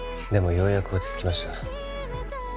ようやく落ち着きました